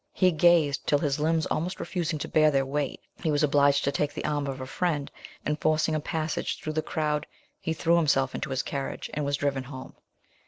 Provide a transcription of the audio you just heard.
He gazed till his limbs almost refusing to bear their weight, he was obliged to take the arm of a friend, and forcing a passage through the crowd, he threw himself into his carriage, and was driven home.